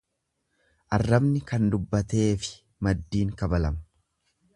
Arrabni kan dubbateefi maddiin kabalame.